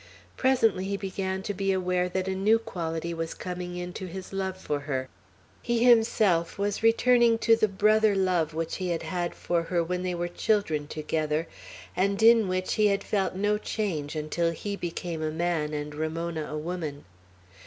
Presently he began to be aware that a new quality was coming into his love for her. He himself was returning to the brother love which he had had for her when they were children together, and in which he had felt no change until he became a man and Ramona a woman.